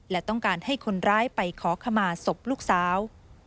และต้องการให้คนร้ายไปขอขมาศพลูกสาว